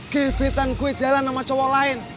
ghibitan gue jalan sama cowok lain